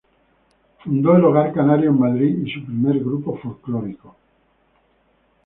Fundó el Hogar Canario en Madrid y su primer grupo folclórico.